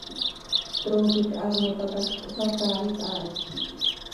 Trooqui quih haa mopa ta x, cohsataait haa hi.